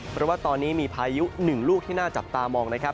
เพราะว่าตอนนี้มีพายุหนึ่งลูกที่น่าจับตามองนะครับ